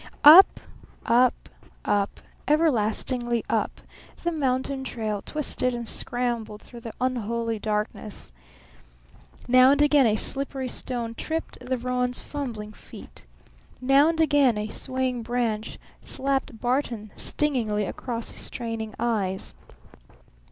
Up, up, up, everlastingly up, the mountain trail twisted and scrambled through the unholy darkness. Now and again a slippery stone tripped the roan's fumbling feet. Now and again a swaying branch slapped Barton stingingly across his straining eyes.